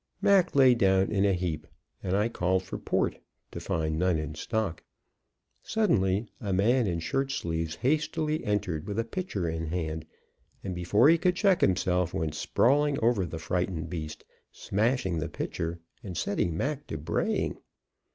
Mac lay down in a heap, and I called for port, to find none in stock. Suddenly, a man in shirt sleeves hastily entered with a pitcher in hand, and before he could check himself, went sprawling over the frightened beast, smashing the pitcher and setting Mac to braying.